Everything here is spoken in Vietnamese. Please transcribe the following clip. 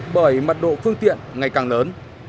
bởi mặt độ phương tiện ngày càng lớn